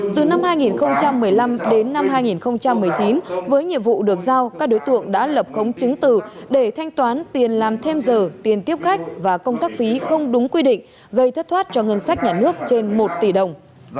từ năm hai nghìn một mươi năm đến năm hai nghìn một mươi chín với nhiệm vụ được giao các đối tượng đã lập khống chứng tử để thanh toán tiền làm thêm giờ tiền tiếp khách và công tác phí không đúng quy định gây thất thoát cho ngân sách nhà nước trên một tỷ đồng